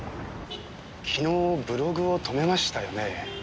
昨日ブログを止めましたよね？